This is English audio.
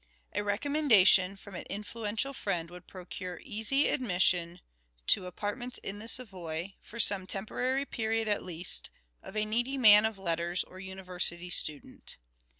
... A recommendation from an influential friend would procure easy admission (to apartments in the Savoy) for some temporary period at least, of a needy man of letters or university student